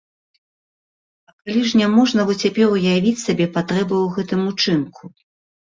А калі ж няможна во цяпер уявіць сабе патрэбы ў гэтым учынку.